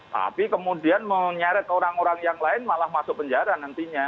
tapi kemudian menyeret orang orang yang lain malah masuk penjara nantinya